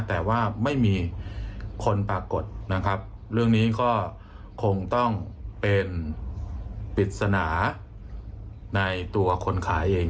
แต่ว่าไม่มีคนปรากฏนะครับเรื่องนี้ก็คงต้องเป็นปริศนาในตัวคนขายเอง